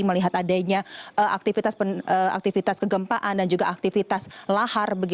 melihat adanya aktivitas kegempaan dan juga aktivitas lahar